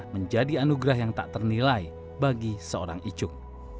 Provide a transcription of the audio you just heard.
menjadi anugerah yang tak ternilai bagi seorang icung